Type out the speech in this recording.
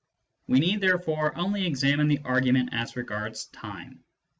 We need therefore only examine the argument as regards time.